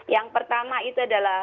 yang pertama itu adalah